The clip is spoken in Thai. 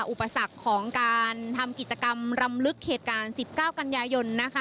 อุปสรรคของการทำกิจกรรมรำลึกเหตุการณ์๑๙กันยายนนะคะ